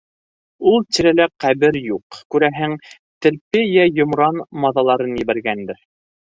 Ул тирәлә ҡәбер юҡ, күрәһең, терпе йә йомран маҙаларын ебәргәндер.